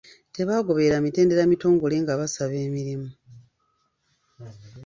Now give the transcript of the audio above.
Tebaagoberera mitendera mitongole nga basaba emirimu.